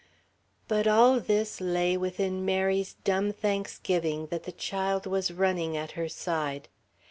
... But all this lay within Mary's dumb thanksgiving that the child was running at her side.